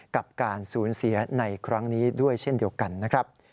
กับการสูญเสียในครั้งนี้ด้วยเช่นเดียวกันนะครับ